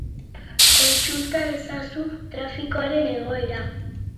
Kontsulta ezazu trafikoaren egoera.